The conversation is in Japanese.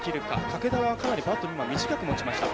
武田は、かなりバットを短く持ちました。